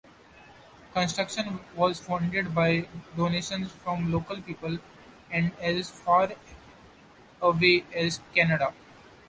Construction was funded by donations from local people and as far away as Canada.